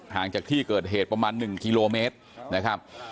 จากที่เกิดเหตุประมาณ๑กิโลเมตรนะครับ